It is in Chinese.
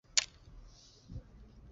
详情请参见连通空间。